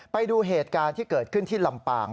ไปดูเหตุการณ์ที่เกิดขึ้นที่ลำปาง